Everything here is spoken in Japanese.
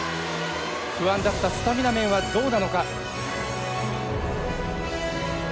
不安だったスタミナ面はどうなのか。